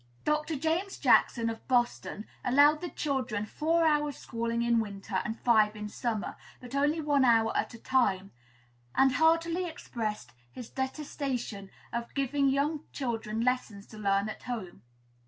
"Dr. James Jackson, of Boston, allowed the children four hours schooling in winter and five in summer, but only one hour at a time; and heartily expressed his detestation of giving young children lessons to learn at home.